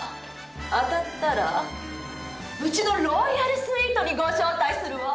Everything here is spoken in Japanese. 当たったらうちのロイヤルスイートにご招待するわ！